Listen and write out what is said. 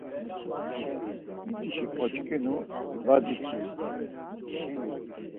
Mitişi oçkinu va diç̌irs.